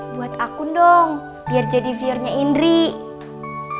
buat aku dong biar jadi pionnya indri apa juga